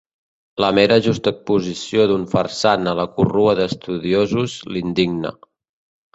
La mera juxtaposició d'un farsant a la corrua d'estudiosos l'indigna.